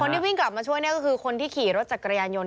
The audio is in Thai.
ที่วิ่งกลับมาช่วยเนี่ยก็คือคนที่ขี่รถจักรยานยนต